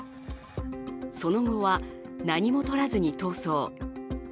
その後は何もとらずに逃走。